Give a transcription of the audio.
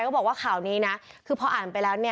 เขาบอกว่าข่าวนี้คือพออ่านไปแล้ว